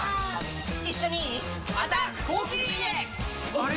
あれ？